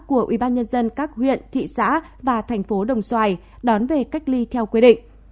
của ubnd các huyện thị xã và thành phố đồng xoài đón về cách ly theo quy định